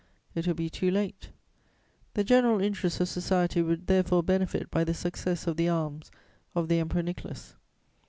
It will be too late. "The general interests of society would therefore benefit by the success of the arms of the Emperor Nicholas.